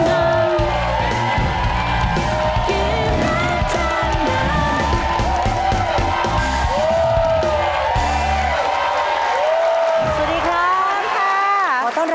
โอ๊ยโอ๊ย